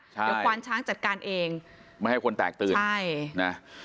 เดี๋ยวควานช้างจัดการเองไม่ให้คนแตกตื่นใช่นะ